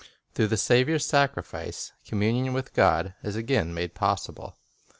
Through the Saviour's sacrifice, communion with God is again made possible.